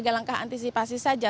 mereka sebagai langkah antisipasi saja